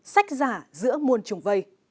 sách giả giữa muôn trùng